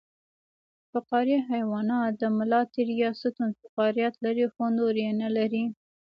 فقاریه حیوانات د ملا تیر یا ستون فقرات لري خو نور یې نلري